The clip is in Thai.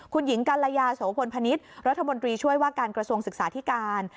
คุณหญิงกัลยาโสพลพนิษฐ์รัฐมนตรีช่วยว่าการกระทรวงศึกษาธิการ